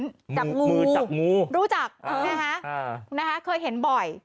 มือจักงูรู้จักเออนะฮะนะฮะเคยเห็นบ่อย